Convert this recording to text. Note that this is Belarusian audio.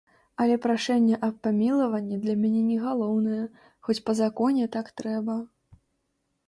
Але прашэння аб памілаванні для мяне не галоўнае, хоць па законе так трэба.